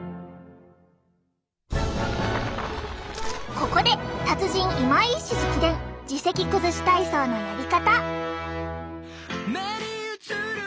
ここで達人今井医師直伝耳石崩し体操のやり方！